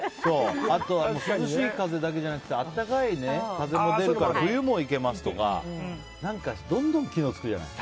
あとは、涼しい風だけじゃなくて暖かい風も出るから冬もいけますとかどんどん機能がつくじゃない。